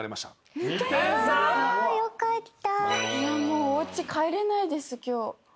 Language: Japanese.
もうおうち帰れないです今日。